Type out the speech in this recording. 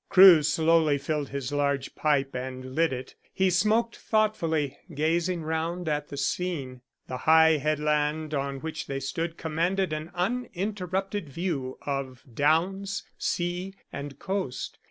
Crewe slowly filled his large pipe, and lit it. He smoked thoughtfully, gazing round at the scene. The high headland on which they stood commanded an uninterrupted view of downs, sea, and coast.